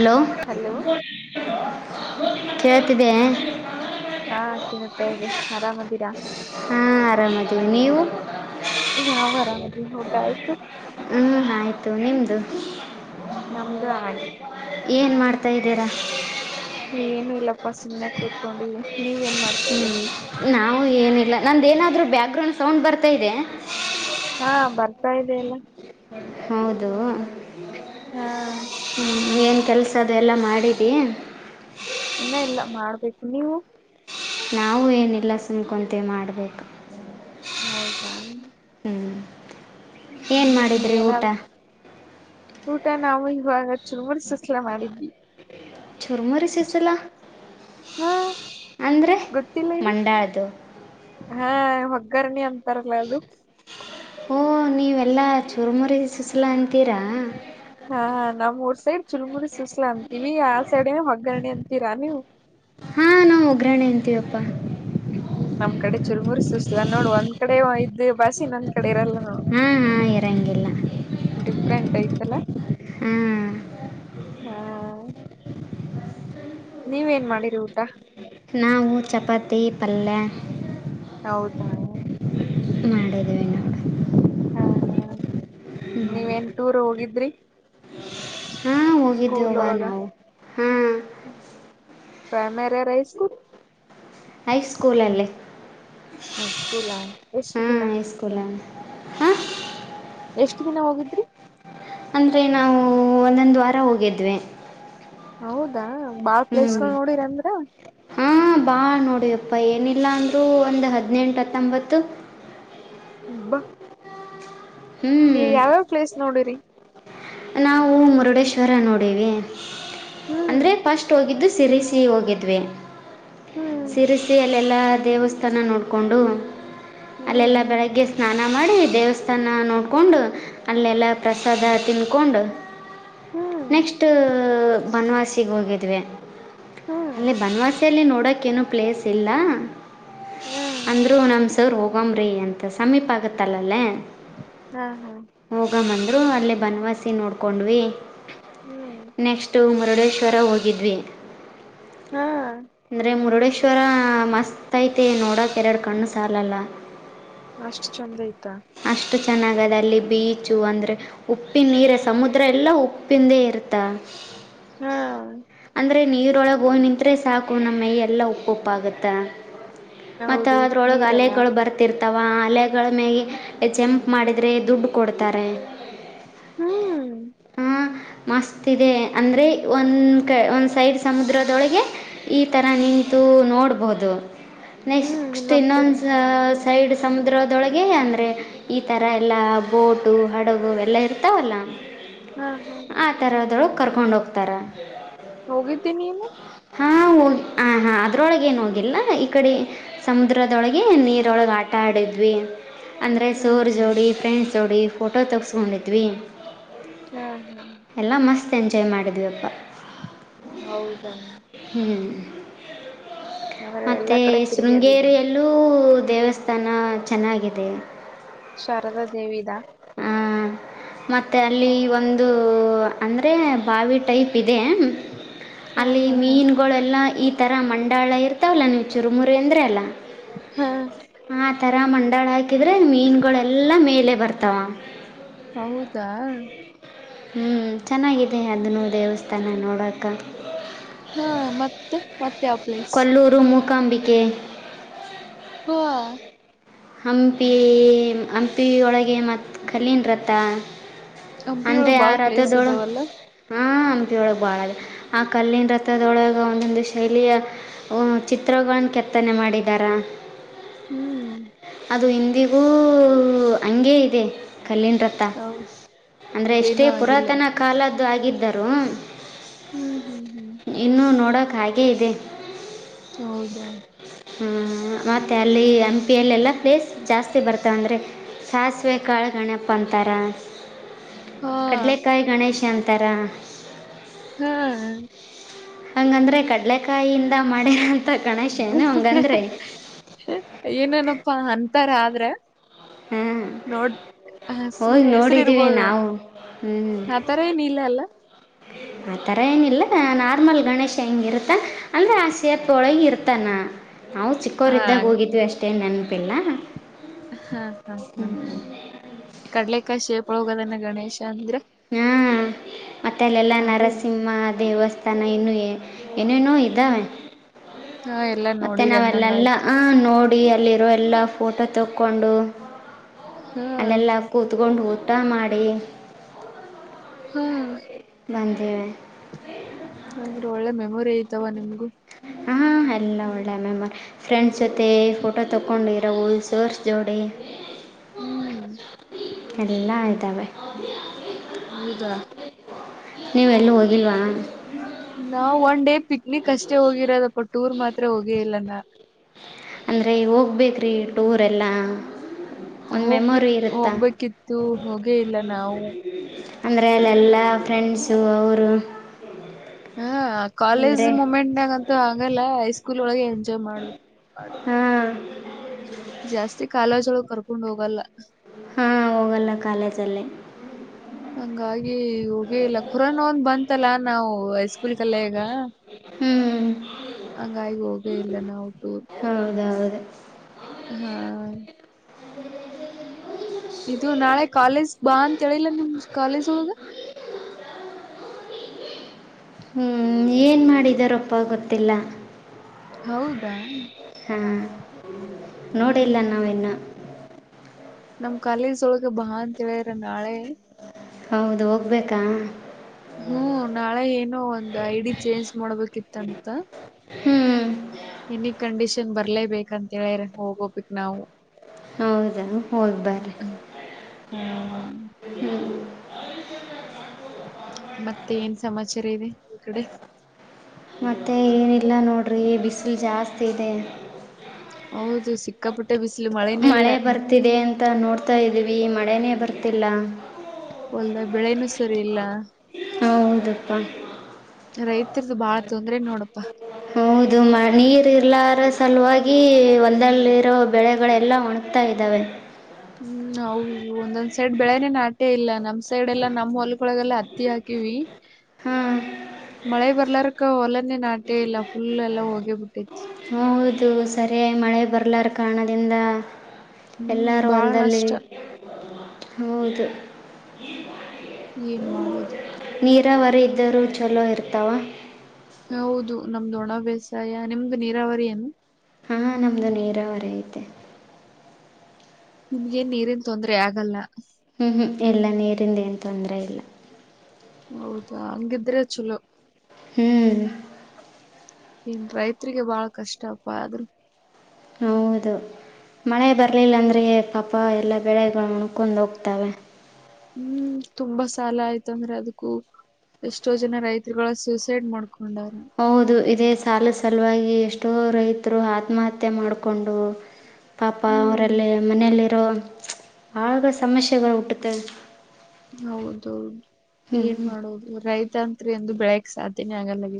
Hello hello [inaudible] ಕೇಳ್ತಿದ್ದಿಯಾ? ಹಾ ಕೇಳುತ್ತಾ ಇದೆ ಆರಾಮದಿರಾ? ಹಾಂ ಆರಾಮದೀವಿ ನೀವು ನಾವ್ ಆರಾಮದೀವಿ ಊಟ ಆಯ್ತು. ಹ್ಮ್ ಆಯ್ತು ನಿಮ್ದು? ನಮ್ದ ಆಯಿ ಏನು ಮಾಡ್ತಾ ಇದ್ದೀರ? ಏನು ಇಲ್ಲ. ಪ್ಪ ಸುಮ್ನೆ ಕೂತ್ಕೊಂಡಿಲ್ಲಿ ಹ್ಮ್ ನಾವು ಏನಿಲ್ಲ. ನಂದೇನಾದ್ರೂ ಬ್ಯಾಕ್ ಗ್ರೌಂಡ್ ಸೌಂಡ್ ಬರ್ತಾ ಇದೆಯೆ? ಹಾ ಬರ್ತಾ ಇದೆಯಲ್ಲ. ಹೌದು? ಹಾ ನೀ ಏನು ಕೆಲಸ ಅದೆ ಎಲ್ಲ ಮಾಡಿದ್ದಿ. ಇನ್ನ ಎಲ್ಲ ಮಾಡ್ಬೇಕು ನೀವು. ನಾವು ಏನಿಲ್ಲ ಸುಮ ಕುಂತಿವಿ ಮಾಡ್ಬೇಕು. ಹೌದಾ ಏನ್ ಹ್ಮ್ ಮಾಡಿದ್ರಿ ಊಟ ನೀವೇನಾದ ಊಟ ನಾವು ಇವಾಗ ಚುಲಮರ್ ಸುಸ್ಲ ಮಾಡಿದ್ವಿ. ಚುರುಮುರಿ ಸುಸ್ಲ್ ಹ ಅಂದ್ರೆ ಮಂಡಾಳದು. ಒಗ್ಗರ್ನಿ ಅಂತಾರಲ್ಲ ಅದು. ಓಹ ನೀವೆಲ್ಲಾ ಚೂರ್ಮುರಿ ಸುಸಲ ಅಂತೀರಾ. ಹಾ ನಮ್ಮ್ ಊರ್ ಸೈಡ್ ಚುರುಮುರಿ ಸುಸ್ಲಾ ಅಂತೀವಿ ಆ ಸೈಡ್ ಒಗ್ಗರಣೆ ಅಂತೀರಾ ನೀವು. ಹಾಂ ನಾವು ಒಗ್ರರಣೆ ಅಂತೀವಪ್ಪಾ. ನಮ್ ಕಡೆ ಚುರುಮುರು ಸುಸ್ಲಾ ನೋಡ್ ಒಂದ್ ಕಡೆ ಇದ್ ಬಾಸಿ ಇನೊಂದ್ ಕಡೆ ಇರಲ್ಲ. ನೋಡ್ ಹಾ ಹಾ ಇರಂಗಿಲ್ಲ. ತ್ತಲ್ಲ. ಹ್ಮ ಹಾ ನೀವೇನ್ ಮಾಡಿರಿ ಊಟ. ಪಲ್ಲ್ಯ ಹೌದ ಮಾಡದುವಿ ನೋಡು ಹಾ ಹಾ ನೀವೇನ್ ಟೂರ್ ಹೋಗಿದ್ರಿ. ಹಾ ಸ್ಕೂಲ್ ಹೋಗಿದ್ದೇವವಾ ಒಳಗ ನಾವು ಹಾ. ಪ್ರೈಮರಿಯರ ಹೈ ಸ್ಕೂಲ್. ಹೈಸ್ಕೂಲ್ ಅಲ್ಲಿ ಹ ಸ್ಕೂಲ ಎಷ್ಟು ದಿನ. ಹೈ ಸ್ಕೂಲ್ ಹಾಂ ಎಷ್ಟ ದಿನ ಹೋಗಿದ್ರಿ. ಅಂದ್ರೆ ನಾವು ಒಂದೊಂದು ವಾರ ಹೋಗಿದ್ವಿ. ಹೌದಾ ಬಾಳ ಪ್ಲೇಸ್ ಗಳು ನೋಡಿರಿಂದ್ರ. ಹ ಬಾಳ್ ನೋಡಿವಪ್ಪ ಏನಿಲ್ಲ ಅಂದ್ರರು ಒಂದು ಹದ್ನೆಂಟು ಹತ್ತೊಂಬತ್ತು. ಹಬ್ಬಾ ಹ್ಞೂ ಈ ಯಾವ್ಯಾವ್ ಪ್ಲೇಸ್ ನೋಡಿರಿ ನಾವು ಮುರುಡೇಶ್ವರ ನೋಡವಿ‌ ಹ್ಮ್ ಅಂದ್ರೆ ಫಸ್ಟ್ ಹೋಗಿದ್ದು. ಸಿರಿಸಿ ಹೋಗಿದ್ವಿ ಹ್ಮ್ ಶಿರಸಿಯಲೆ ಎಲ್ಲ ದೇವಸ್ಥಾನ ನೋಡಕೊಂಡು. ಅಲ್ಲೆಲ್ಲಾ ಹ್ಮ್ ಬೆಳಗ್ಗೆ ಸ್ನಾನ ಮಾಡಿ ದೇವಸ್ಥಾನ ನೋಡಕೊಂಡು ಅಲ್ಲೆಲ್ಲ ಪ್ರಸಾದ ತಿನ್ ಕೊಂಡ ಹ್ಮ್ ನೆಕ್ಸ್ಟ್ ಬನವಾಸಿಗೆ ಹೋಗಿದ್ವಿ ಹ್ಮ್ ಅಲ್ಲಿ ಬನವಾಸಿಯಲ್ಲಿ ನೋ [unintelligible] ಕ್ಕ ಏನು ಪ್ಲೇಸ್ ಇಲ್ಲ ಹ್ಮ್ ಅಂದ್ರು ನಮ್ ಸರ ಹೋಗ ಗಂಬರಿ ಅಂತ ಸಮ್ಮೀಪಾಗ ತಲಲ್ಲಿ. ಹ್ಮ ಹಾ [unintelligible] ಅಲ್ಲಿ ಬನ್ವಾಸಿ ನೋಡ್ಕೊಂಡ್ವಿ ಹಾ ಹ್ಮ್ ನೆಕ್ಸ್ಟು ಮ [unintelligible] ಡೇಶ್ವರ ಹೋಗಿದ್ವಿ ಹಾ ಅಂದ್ರೆ ಮುರುಡೆ ತರ ಮಸ್ತ್ ಐತೆ ನೋಡಿ ಕೊಡೋಕ್ಕೆರಡು ಕಣ್ಣು ಸಾಲಲ್ಲ. ಅಷ್ಟ ಚಂದ್ ಐತ. ಅಷ್ಟು ಚೆನ್ನಗದ ಅಲ್ಲಿ ಬೀಚು ಅಂದ್ರೆ ಉಪ್ಪಿನ ನೀರುಷ್ಟ ಸಮುದ್ರ ಎಲ್ಲಾ ಉಪ್ಪಿಂದೆ ಇರ್ತ ಹ್ಮ್ ಅಂದರೆ ನೀರೊಳಗೆ ಹೊ ನಿಂತರೆ ಸಾಕು ನಮ್ಮ‌ಮೈ ಎಲ್ಲ ಉಪ್ಪು ಉಪ್ಪಾಗುತ್ತಾ. ಮತ್ತ ಹೌದು ಅದ್ರೊಳಗ ನೀರಲ್ಲ ಅಲೆಗಳು ಬರ್ತಿರ್ತ ಅಥವಾ ಅಲೆಗಳ ಮೇಲೆ ಚಂಪ್ ಮಾಡಿದರೆ ದುಡ್ಡು ಕೊಡ್ತಾರೆ. ಹ್ಮ್ ಮಸ್ತ್ ಇದೆ ಅಂದ್ರೆ ಒಂದ ಕ ಒಂದು ಸೈಡ್ ಸಮುದ್ರದೊಳಗೆ ಈ ತರ ನಿಂತು ನೋಡ್ಬಹುದು ಹ್ಮ್ ನೆಕ್ಸ್ ಇನ್ನೊಂದ್ಸರಿ ಇನ್ನೊಂದು ಸಾ ಸೈಡ್ ಸಮುದ್ರದೊಳಗೆ ಅಂದರೆ ಈ ಥರ ಎಲ್ಲ ಬೋಟು ಹಡಗು ಎಲ್ಲ ಇರ್ತಾವಲ್ಲ ಹ್ಮ್ ಹ್ಮ್ ಹ್ಮ್ ಕರ್ಕೊಂಡೋಗ್ ಹೋಗಿದ್ದೀ ನೀನು ಹಾಂ ಹೋಗಿ ಹ ಹಾ ಅದರೊಳಗೆೇನ್ ಹೋಗಿಲ್ಲ ಈ ಕಡೆ ಸಮುದ್ರದೊಳಗೆ ನೀರೊಳಗೆ ಆಟ ಆಡಿದ್ವಿ. ಅಂದರೆ ಹ್ಮ್ ಸೋರ್ ಹ್ಮ್ ಜೋಡಿ ಫ್ರೆಂಡ್ಸ್ ಜೋಡಿ. ಫೋಟೋ ತಗಸ್ಕೊಂಡಿದ್ವಿ. ಹಾ ಹಾ ಎಂಜಾಯ್ ಮಾಡಿದೀವಪ್ಪ. ಹೌದಾ? ಹ್ಮ್ ಆದ್ರೆ ಎಲ್ಲಾ ಮತ್ತೆ ಕಡೆ ತಿರುಗಾಡಿರಿ ಶೃಂಗೇರಿಯಲ್ಲೂ ದೇವಸ್ಥಾನ ಚೆನ್ನಾಗಿದೆ. ಶಾರದಾದೇವಿದಾ? ಹಾ ಮತ್ತ್ ತ್ತೆ ಅಲ್ಲಿ ಒಂದು ಓ ಅಂದರೆ ಬಾವಿ ಟೈಪ್ ಇದೆ. ಹಾ ಅಲ್ಲಿ ಹಾ ಹಾ ಮೀನುಗೊಳೆಲ್ಲ ಇ ಈ ಥರ ಮಂಡಾಳ ಇರ್ತಾವಲ್ಲ ನೀವು ಚುರುಮುರಿ ಅಂದರಿ ಅಲ್ಲ ಹ್ಮ ರ ಮಂಡಳಾಯ್ ಕಿದ್ರೆ ಮೀನ್ಗಳೆಲ್ಲಾ ಮೇಲೆ ಬರ್ತಾವ. ಹೌದಾ? ಹ್ಞ ಚೆನ್ನಾಗಿದೆ ಅದನ್ನು ದೇವಸ್ಥಾನ ನೋಡೋಕ. ಹಾ ಮತ್ತ ಮತ್ತೆ ಯಾವ ಪ್ಲೇಸ್? ಕಾಂಬಿಕೆ. ಹಾ ಹಂಪಿ ಹಂಪಿಯೊಳಗೆ ಮತ್ ಕಲ್ಲಿನ್ರಥ ಹಂಪಿಯೊಳಗ್ ಬಾಳ ಪ್ಲೇಸ್ ಇದಾವಲ್ಲ. ಹಾಂ ಹಂಪಿಯೊಳಗ್ ಬಾಳದ ಆ ಕಲ್ಲಿನ ರಥದೊಳಗೆ ಒಂದೊಂದು ಶೈಲಿಯ ಚಿತ್ರಗಳನ್ನ ಕೆತ್ತನೆ ಮಾಡಿದಾರ. ಹ್ಮ್ ಅದು ಇಂದಿಗೂ ಹಂಗೇ ಇದೆ. ಕಲ್ಲಿನ್ ರಥ ಹ ಅಂದ್ರೆ ಎಷ್ಟೇ ಏನು ಆಗಿಲ್ಲ ಪುರಾತನ ಕಾಲದ್ ದು ಆಗಿದ್ದರು. ಹ್ಮ್ ಹ್ಮ್ ಹ್ಮ್ ಹಾಗೆ ಇದೆ. ಹೌದಾ? ಹ್ಮ್ ಮತ್ತೆ ಅಲ್ಲಿ ಹಂಪಿಯಲ್ಲೆಲ್ಲ ಪ್ಲೇಸ್ ಜಾಸ್ತಿ ಬರ್ತಾವ್ ಅಂದರೆ ಸಾಸಿವೆ ಕಾಳಗಣಪ್ಪ ಅಂತಾರ. ಹಾ ಕಡ್ಲೆಕಾಯಿ ಗಣೇಶ ಅಂ ತರ ಹ್ಮ್ ಹಂಗಂದ್ರೆ ಕಡ್ಲೆಕಾಯಿಂದದ ಮಾಡಿರ ಏನೆನೊಪ್ಪಾ ಅಂ ತಾರ್ ಆದ್ರೆ. ಹಾಂ ನೋಡ್ ಹೋಗಿ ಸುಮ್ಮನೆ ನೋಡಿದ್ದೀವಿ ಹೆಸರಿರ್ಬೋದು ನಾವು ಆತರ ಏನು ಇಲ್ಲ ಅಲ್ಲ ಆತರ ಏನಿಲ್ಲ ನಾರ್ಮಲ್ ಗಣೇಶ ಹೆಂಗ ಇರ್ತ ಅಲೆ ಆ ಸೇಪ್ ಒಳಗ ಇರ್ತಾನ. ನಾವು ಹಾ ಚಿಕ್ಕೋರಿದ್ದಾಗ ಹೋಗಿದ್ವಿ ಅಷ್ಟ್ ತ್ತೇನ್ ನೆನ್ಪಿಲ್ಲ. ಹಾ ಹಾ ಹಾ ಹಾ ಕಡ್ಲೆಕಾಯ್ ಶೇಪ್ ಒಳಗೋಗಿದನೆ ಗಣೇಶ್ ಹ್ಮ ಮತ್ತೆ ಅಲ್ಲೆಲ್ಲಾ ಹೌದ್ ನರಸಿಂಹ ದೇವಸ್ಥಾನ ಇನ್ನೂ ಎ ಎ ಏನೇನೋ ಇದ್ದಾವೆ. ಹ್ಮ್ ಹಾ ಎಲ್ಲಾ ಮತ್ತೆ ನೋಡಿರಿ ಅಂದಂಗ ನಾವೆಲ್ಲೆಲ್ಲ ಆಯ್ತು ಹ ನೋಡ್ ಡಿ ಅಲ್ಲಿರೋ ಎಲ್ಲ ಫೋಟೋ ತೊಕ್ಕೊಂಡು. ಹಾ ಅದೆೆಲ್ಲ ಕೂ ಕೂತ್ಕೊಂಡು ಊಟ ಮಾಡಿ ಹಾ ಬಂದೀವಿ. ಅಂದ್ರೆ ಒಳ್ಳೆ ಮೆಮೊರಿ ಬೆಯ್ತಾವ ನಿಮ್ಗು. ಹಾಂ ಎಲ್ಲ ಒಳ್ಳೆಯ ಮೆಮ್ಮೋರ್ ಫ್ರೆಂಡ್ಸ್ ಜೊತೆ ಫೋಟೋ ತಕ್ಕೊಂಡಿರವು ಸೋರ್ಸ್ ಜೋಡಿ. ಹ್ಮ್ ಎಲ್ಲ ಇದ್ದಾವೆ. ಹೌದಾ? ನೀವೆಲ್ಲೂ ಹೋಗಿಲ್ವಾ? ನಾವ್ ಒನ್ ಡೇ ಪಿಕ್ನಿಕ್ ಅಷ್ಟೇ ಹೋಗಿರೋದಪ್ಪ ಟೂರ್ ಮಾತ್ರ ಹೋಗೇ ಇಲ್ಲಾನ. ಅಂದರೆ ಈಗೋಗ್ಬೇಕ್ರಿ ಟೂರೆಲ್ಲ. ಒಂದು ಹೋಗ್ಬಿ ಮೆಮೊರಿ ಇರುತ್ತಾ ಹೋಗ್ಬೇಕಿತ್ತು ಹೋಗೇ ಇಲ್ಲ ನಾವು. ಅಂದರೆ ಅಲ್ಲೆಲ್ಲ ಫ್ರೆಂಡ್ಸು ಅವ್ರು. ಹ ಆ ಕಾಲೇಜ್ ಮುಮೆಂಟ್ನಾಗಂತು ಆಗಲ್ಲ. ಸ್ಕೂಲ್ ಒಳಗೆ ಜಾ ಮಾಡು ಮಾಡು. ಹಾಂ ಜಾಸ್ತಿ ಕಾಲೇಜೊಳ ಕರ್ಕೊಂಡ್ ಹೋಗಲ್ಲ. ಹಾ ಹೋಗಲ್ಲ ಕಾಲೇಜಲ್ಲಿ. ಹಂಗಾಗಿ ಹೋಗೇ ಇಲ್ಲ ಖುರಾನೋಂದ್ ಬಂತಲ್ಲ ನಾವು ಐಸ್ ಫುಲ್ ಕಲ್ಲೆಯಗ ಹ್ಞೂ ಹಂಗಾಗಿ ಹೋಗೇ ಇಲ್ಲ ನಾವು ಟೂರು. ಹ [inaudible] ಹಾ ಇದು ನಾಳೆ ಕಾಲೇಜ್ಗ್ ಬಾ ಅಂತ ಹೇಳಿಲ್ಲ ನಿಮ್ ಕಾಲೇಜ್ ಒಳಗ. ಏನ್ ಮಾಡಿದಾರೊಪ್ಪ ಗೊತ್ತಿಲ್ಲ. ಹೌದಾ? ಹಾಂ ಹಾ ನೋಡಿಲ್ಲ ಹಾ ನಾವಿನ್ನ. ನಮ್ ಕಾಲೇಸೊಳಗೆ ಬಾ ಅಂತ ಹೇಳರ ನಾಳೆ. ಹೌದು ಹೋಗ್ಬೇಕಾ. ಹ್ಮ್ ನಾಳೆ ಏನೊ ಒಂದ್ ಐ ಡಿ ಚೇಂಜ್ ಮಾಡ್ಬೇಕಿತ್ತಂತ. ಹ್ಮ್ ಎನಿ ಕಂಡೀಷನ್ ಬರ್ಲೇಬೇಕಂತೇಳರ ಹೋಗೋಬಿಕ್ ನಾವು. ಹೌದಾ ಹೋಗ್ಬರ್ರಿ ಹಾ ಹ್ಮ್. [inaudible] ಮತ್ತೆ ಏನ್ ಸಮಾಚಾರ ಇದೆ ನಿಮ್ ಕಡೆ. ಮತ್ತೆ ಏನಿಲ್ಲ ನೋಡ್ರಿ ಬಿಸಿಲು ಜಾಸ್ತಿ ಇದೆ. ಹೌದು ಸಿಕ್ಕಾಪಟ್ಟೆ ಬಿಸ್ಲು ಮಳೆ ಬರ್ತಿದೆ ಅಂತ ನೋಡ್ತಾ ಇದೀವಿ. ಮಳೆನೇ ಬರ್ತಿಲ್ಲ. ಹೊಲ್ದಾಗ್ ಬೆಳೆನೂ ಸರಿ ಇಲ್ಲ. ಹೌದಪ್ಪ. ರೈತರ್ದು ಬಾಳ ತೊಂದ್ರೆ ನೋಡಪ್ಪಾ ಹೌದು ಮ ನೀರ್ ಇರ್ಲಾರ ಸಲುವಾಗಿ ಈ ಹೊಲ್ದಲ್ಲಿರೋ ಬೆಳೆಗಳೆಲ್ಲ ಒಣಗ್ತಾ ಇದ್ದಾವೆ ಹ್ಮ್ ಹೌದು ಒಂದೊಂದ್ ಸೈಡ್ ಬೆಳೆನೆೇ ನಾಟೆ ಇಲ್ಲ ನಮ್ ಸೈಡ್ ಎಲ್ಲಾ ನಮ್ಮ್ ಹೊಲ್ ದೊಳಗೆಲ್ಲ ಹತ್ತಿ ಹಾಕೀವಿ ಹಾಂ ಮಳೆ ಬ ಎಲ್ಲರ್ಕ ಹೊಲನೆೇ ನಾಟೆ ಇಲ್ಲ ಫುಲ್ ಎಲ್ಲಾ ಹೋಗೇಬಿಟ್ಟೖತಿ. ಇದು ಸರಿಯಾಗಿ ಮಳೆ ಬರ್ಲಾರ ಕಾರಣದಿಂದ ಹ್ಮ್ ಎಲ್ಲಾರ ಬಾಳ ಹೊಲ್ದಲ್ಲಿ ನಷ್ಟ ಹೌದು. ಏನ್ ಮಾಡೋದು. ನೀರಾವರಿ ಇದ್ದೋರು ಚಲೋ ಇರ್ತಾವ. ಹೌದು ನಮ್ದು ಒಣ ಬೇಸಾಯ ನಿಮ್ದು ನೀರಾವರಿ ಏನು? ಹಾ ನಮ್ದು ನೀರಾವರಿ ಐತೆ. ನಿಮ್ಗೇನ್ ನೀರಿನ್ ತೊಂದ್ರೆ ಆಗಲ್ಲ. ಹ್ಮ್ ಹ್ಮ್ ಇಲ್ಲ ನೀರಿಂದ ಏನ್ ತೊಂದ್ರೆ ಇಲ್ಲ. ಹೌದಾ ಹಂಗಿದ್ರೆ ಚಲೋ. ಹ್ಮ್ ಇನ್ ರೈತ್ರಿಗೆ ಬಾಳ ಕಷ್ಟಪ್ಪ ಆದ್ರು. ಹೌದು. ಮಳೆ ಬರ್ಲಿಲ್ಲ ಅಂದ್ರೆ ಪಾಪ ಎಲ್ಲ ಬೆಳೆಗಳು ಒಣಕೊಂಡ್ ಹೋಗ್ತಾವ. ಹ್ಮ್ ತುಂಬಾ ಸಾಲ ಆಯ್ತು ಅಂದ್ರೆ ಅದ್ಕೂ ಎಷ್ಟೋ ಜನ ರೈತ್ರ್ಗಳ ಸ್ಯೂಸೈಡ್ ಮಾಡ್ ಹೌದು ಇದೇ ಸಾಲದ್ ಸಲುವಾಗಿ ಎಷ್ ಷ್ಟು ರೈತರು ಆತ್ಮಹತ್ಯೆ ಮಾಡ್ಕೊಂಡು ಪಾಪ ಹ್ಮ್ ಅವರಲ್ಲಿ ಮನೇಲಿರೋ ಆಗ ಸಮಸ್ಯೆಗಳು ಹುಟ್ಟುತ್ತವ್. ಹೌದೌದು ಏನ್ ಮಾಡೋದು ರೈತಾಂತ್ರಿ ಎಂದು ಬೆಳೆಯಕ್ ಸಾಧ್ಯ ತೆನು ಆಗಲ್ಲಗ್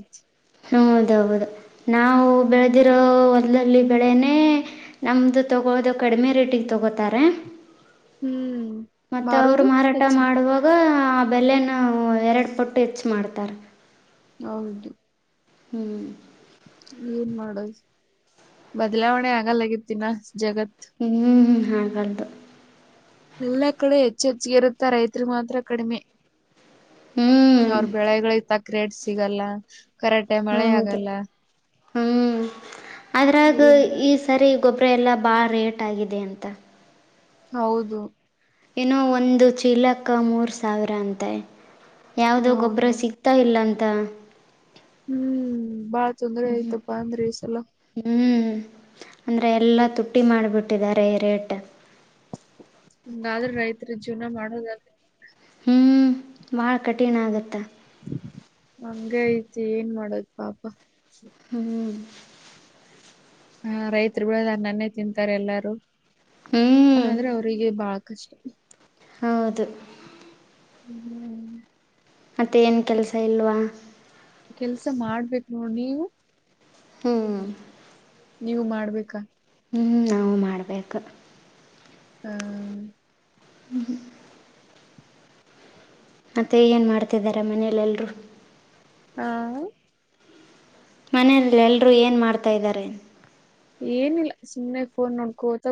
ಹೌದೌದು ನಾವು ಬೆಳೆದಿರೋ ಹೊಲದಲ್ಲಿ ಬೆಳೆನೇ ನಮ್ದು ತಗೊಳೋದು ಕಡಿಮೆ ರೇಟಿಗೆ ತಗೋತಾರೆ. ಹ್ಮ್ ಮತ್ತೆ ಅವರು ಮಾರೋದು ಮಾರಾಟ ಹೆಚ್ಚು ಮಾಡುವಾಗ ಬೆಲೆನ ನಾವು ಎರಡು ಪಟ್ಟು ಹೆಚ್ಚು ಮಾಡ್. ತ್ತರ್. ಹೌದು. ಹ್ಮ್ ಏನ್ ಮಾಡೋದು ಬದ್ಲಾವಣೆ ಆಗಲ್ಲಗತ್ತಿನ ಹ್ಮ್ ಹ್ಮ್ ಹ್ಮ್ ಹಾಗಲ್ದು. ಎಲ್ಲ ಕಡೆ ಹೆಚ್ಚೆಚಿಗೆೆ ಇರುತ್ತಾ ರೈತರ್ಗ್ ಮಾತ್ರ ಕಡಿಮೆ. ಹ್ಞೂ ಅವ್ರ ಬೆಳೆಗಳೆ [unintelligible] ಸಿಗಲ್ಲ. ಕರೆಕ್ಟಾಗ್ ಮಳೆ ಆಗಲ್ಲ. ಹ್ಮ್ ಅದ್ರಾ ಅದು ಏನ್ ಈ ಸರಿ ಕೊಬ್ರೆ ಎಲ್ಲ ಬಾಳ ರೇಟ್ ಆಗಿದೆ ಅಂತ. ಹೌದು. ಇನೋ ಒಂದು ಚೀಲಕ ಮೂರು ಸಾವಿರ ಅಂತೆ. ಯಾವುದೋ ನೋಡ್ ಗೊಬ್ಬರ ಮತ್. ಸಿಗ್ತಾ ಇಲ್ಲಂ ತ್ತ. ಹ್ಮ್ ಬಾಳ ತೊಂದ್ರೆ ಐತಪ್ಪಾ ಅಂದ್ರೆ ಈಸಲ. ಅಂದರೆ ಎಲ್ಲ ತುಟ್ಟಿ ಮಾಡಿಬಿಟ್ಟಿದ್ದಾರೆ ರೇಟ್. ಹಂಗಾದ್ರೆ ರೈತ್ರು ಜೀವನ ಮಾಡೋದಾದ ಹ್ಞು ಬಾಳ ಕಠಿಣ ಆಗತ್ತ. ಹಂಗ ಐತಿ ಏನ್ ಮಾಡೋದು ಪಾಪ. ಹ್ಮ್ ಹಾ ರೈತ್ರು ಬಿಳದ ಅನ್ನನ್ನೇ ತಿಂತಾರೆ ಎಲ್ಲಾರೂ. ಹ್ಮ್ ಆದ್ರೆ ಅವರಿಗೆ ಬಾಳ್ ಕಷ್ಟ. ಹೌದು. ಹ್ಮ್ ಮತ್ತೆ ಏನು ಕೆಲಸ ಇಲ್ವಾ? ಕೆಲ್ಸ ಮಾಡ್ಬೇಕು ನೋಡ್ ನೀವು? ಹ್ಮ್ ನೀವು ಮಾಡ್ಬೇಕಾ? ಹ್ಞ ನಾವು ಮಾಡ್ಬೇಕು. ಹ್ಮ ಹ್ಮ್ ಹ್ಮ ಮತ್ತೆ ಏನ್ ಮಾಡ್ತಿದ್ದಿದ್ದಾರೆ ಮನೆಯಲೆೆಲ್ಲರೂ? ಹಾ ಮನೇೆಲ್ಲೆಲ್ಲರೂ ಏನ್ ಮಾಡ್ತಾ ಇದ್ದಾರೆ? ಏನಿಲ್ಲ ಸುಮ್ಮನೆ ಫೋನ್ ನೋಡ್ಕೋತ